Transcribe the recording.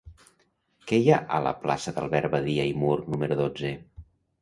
Què hi ha a la plaça d'Albert Badia i Mur número dotze?